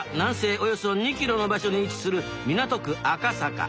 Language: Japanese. およそ２ｋｍの場所に位置する港区赤坂。